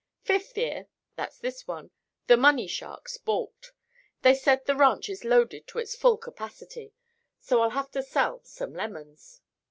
Fifth year—that's this one—the money sharks balked. They said the ranch is loaded to its full capacity. So, I'll have to sell some lemons."